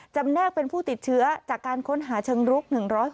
แนกเป็นผู้ติดเชื้อจากการค้นหาเชิงรุก๑๖